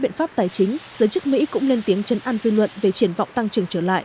biện pháp tài chính giới chức mỹ cũng lên tiếng chân ăn dư luận về triển vọng tăng trưởng trở lại